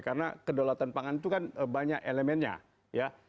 karena kedolatan pangan itu kan banyak elemennya